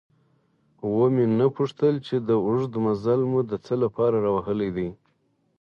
ومې نه پوښتل چې دا اوږد مزل مو د څه له پاره راوهلی دی؟